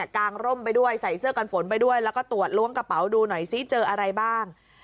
กางร่มไปด้วยใส่เสื้อกันฝนไปด้วยแล้วก็ตรวจล้วงกระเป๋าดูหน่อยซิเจออะไรบ้าง